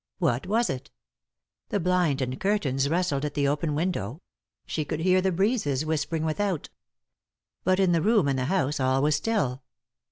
What was it ? The blind and curtains rustled at the open window ; she could hear the breezes whispering without. But in the room and the house all was still.